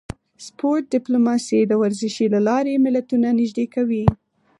سپورت ډیپلوماسي د ورزش له لارې ملتونه نږدې کوي